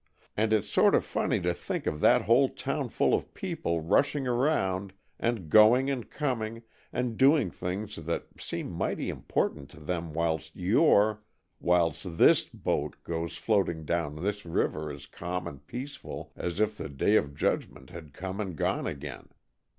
And it's sort of funny to think of that whole townful of people rushing around, and going and coming, and doing things that seem mighty important to them whilst your whilst this boat goes floating down this river as calm and peaceful as if the day of judgment had come and gone again.